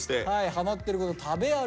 ハマってること食べ歩き。